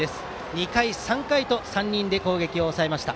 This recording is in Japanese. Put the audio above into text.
２回、３回と３人で攻撃を抑えました。